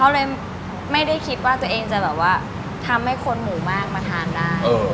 ก็เลยไม่ได้คิดว่าตัวเองจะแบบว่าทำให้คนหมู่มากมาทานได้